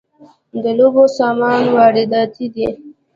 د لوبو سامان وارداتی دی؟